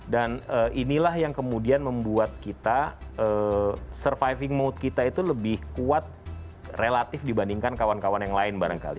dan inilah yang kemudian membuat kita surviving mode kita itu lebih kuat relatif dibandingkan kawan kawan yang lain barangkali